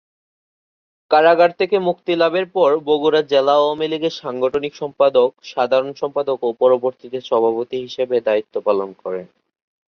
কারাগার থেকে মুক্তি লাভের পর বগুড়া জেলা আওয়ামী লীগের সাংগঠনিক সম্পাদক, সাধারণ সম্পাদক ও পরবর্তীতে সভাপতি হিসেবে দায়িত্ব পালন করেন।